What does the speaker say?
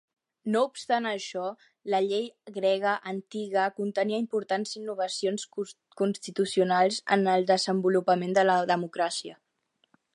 No obstant això, la Llei grega antiga contenia importants innovacions constitucionals en el desenvolupament de la democràcia.